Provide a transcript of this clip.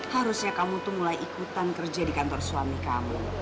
harusnya kamu tuh mulai ikutan kerja di kantor suami kamu